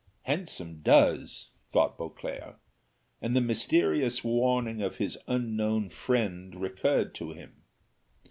Handsome does! thought Beauclerc: and the mysterious warning of his unknown friend recurred to him.